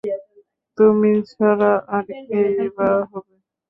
তুমি ছাড়া আর কে-ই বা হবে?